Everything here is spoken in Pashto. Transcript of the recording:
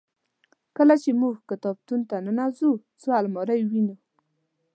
کله چې موږ کتابتون ته ننوزو څو المارۍ وینو.